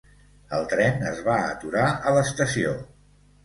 El tren es va aturar a l'estació.